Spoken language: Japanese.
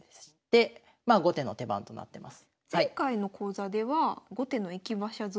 でまあ後手の手番となってます。